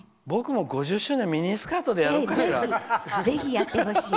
僕も５０周年はミニスカートでやろうかしら。